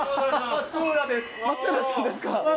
松浦さんですか。